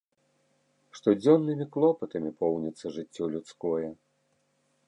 Штодзённымі клопатамі поўніцца жыццё людское.